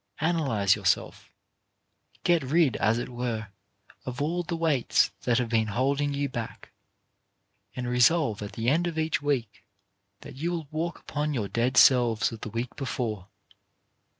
Analyze yourself. Get rid, as it were, of all the weights that have been holding you back, and resolve at the end of each week that you will walk upon your dead selves of the week before.